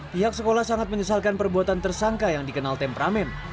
pihak sekolah sangat menyesalkan perbuatan tersangka yang dikenal temperamen